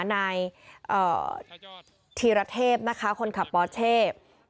นายธิระเทพคนขับปลอดเชฟ